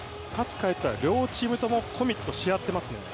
返ったら両チームともコミットし合っていますね。